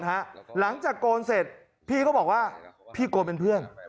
หลังจากโกนเสร็จพี่ก็บอกว่าพี่โกนเป็นเพื่อน